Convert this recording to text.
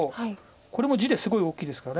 これも地ですごい大きいですから。